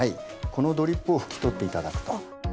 このドリップを拭き取って頂くと。